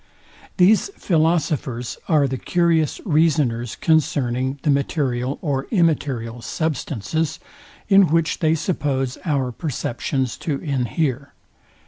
These philosophers are the curious reasoners concerning the material or immaterial substances, in which they suppose our perceptions to inhere.